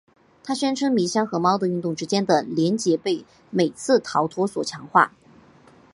他宣称迷箱和猫的运动之间的联结被每次逃脱所强化。